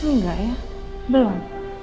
nggak ya belum